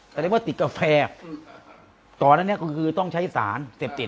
แสดงว่าติดกาแฟตอนนั้นเนี่ยก็คือต้องใช้สารเสพติด